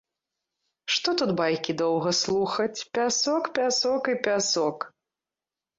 Што тут байкі доўга слухаць, пясок, пясок і пясок.